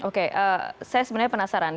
oke saya sebenarnya penasaran